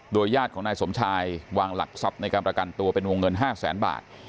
ญาติของนายสมชายวางหลักทรัพย์ในการประกันตัวเป็นวงเงิน๕แสนบาท